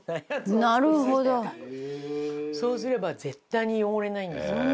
そうすれば絶対に汚れないんですよ。